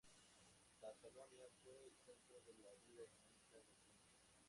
Tesalónica fue el centro de la vida económica del reino.